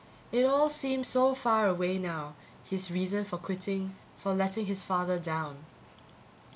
It all seemed so far away now, his reason for quitting, for letting his father down.